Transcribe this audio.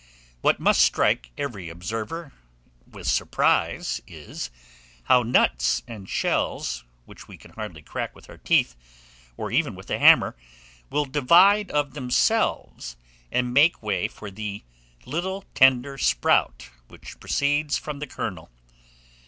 What must strike every observer with surprise is, how nuts and shells, which we can hardly crack with our teeth, or even with a hammer, will divide of themselves, and make way for the little tender sprout which proceeds from the kernel.